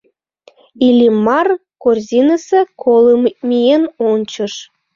Иллимар корзинысе колым миен ончыш.